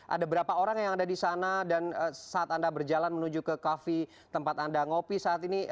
ada berapa orang yang ada di sana dan saat anda berjalan menuju ke cafe tempat anda ngopi saat ini